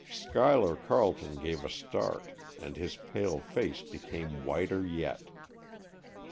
Schuyler Carleton gave a start, and his pale face became whiter yet.